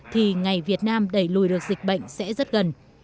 thì ngày việt nam đẩy lùi được dịch bệnh sẽ rất gần